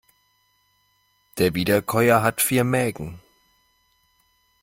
Der Wiederkäuer hat vier Mägen.